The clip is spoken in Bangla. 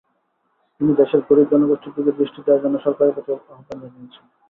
তিনি দেশের গরিব জনগোষ্ঠীর দিকে দৃষ্টি দেওয়ার জন্য সরকারের প্রতি আহ্বান জানিয়েছেন।